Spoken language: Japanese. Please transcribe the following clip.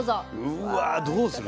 うわどうする？